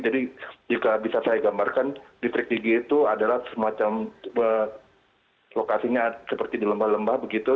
jadi jika bisa saya gambarkan distrik yigi itu adalah semacam lokasinya seperti di lembah lembah begitu